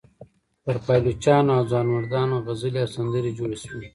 پر پایلوچانو او ځوانمردانو غزلې او سندرې جوړې شوې.